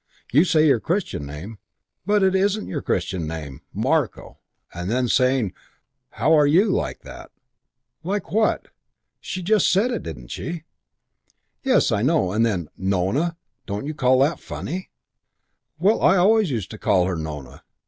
You say your Christian name, but it isn't your Christian name Marko! And then saying, 'How are you?' like that " "Like what? She just said it, didn't she?" "Yes I know. And then 'Nona.' Don't you call that funny?" "Well, I always used to call her 'Nona.'